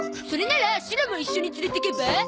それならシロも一緒に連れてけば？